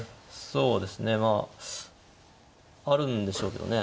そうですねまああるんでしょうけどね。